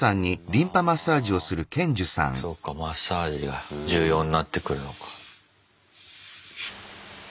ああそうかマッサージが重要になってくるのか。